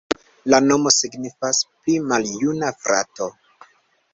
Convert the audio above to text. La nomo signifas: pli maljuna frato.